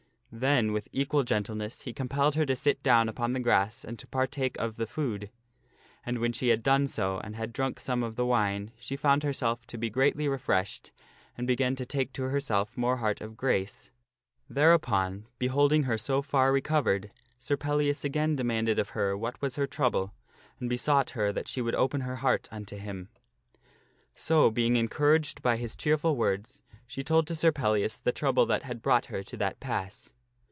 Then, with equal gentleness, he compelled her to sit down upon the grass and to partake of the food. And when she had done so, and had drunk some of the wine, she found herself to be greatly refreshed and began to take to herself more heart of grace. Thereupon, beholding her so far recovered, Sir Pellias again demanded of her what was her trouble and besought her that she would open her heart unto him. So, being encouraged by his cheerful words, she told to Sir Pellias the trouble that had brought her to that pass.